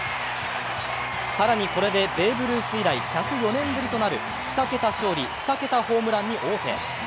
更に、これでベーブ・ルース以来１０４年ぶりとなる２桁勝利・２桁ホームランに王手。